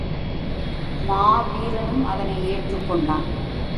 மாவீரனும் அதனை ஏற்றுக்கொண்டான்.